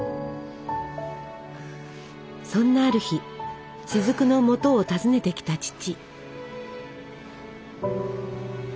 そんなある日雫のもとを訪ねてきた父。